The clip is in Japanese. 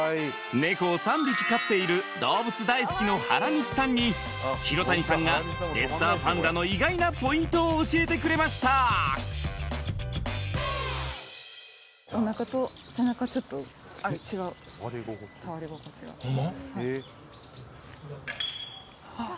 猫を３匹飼っている動物大好きの原西さんに廣谷さんがレッサーパンダの意外なポイントを教えてくれましたホンマ？